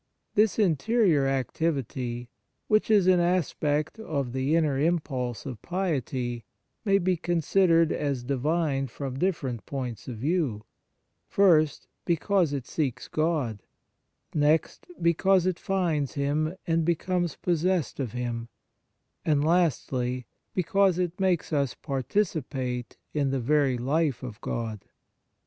This interior activity, which is an aspect of the inner impulse of piety, may be considered as divine from different points of view : first, because it seeks God ; next, because it finds Him and becomes possessed of Him ; and lastly, because it makes us par ticipate in the very life of God.